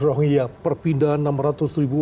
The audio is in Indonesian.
rohingya perpindahan enam ratus ribu